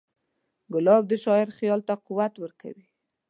ګلاب د شاعر خیال ته قوت ورکوي.